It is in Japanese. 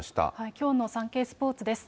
きょうのサンケイスポーツです。